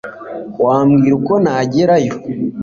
wambwira uko nagerayo